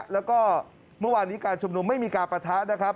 แล้วก็เมื่อวานี้การชุบลุมไม่มีการประทะ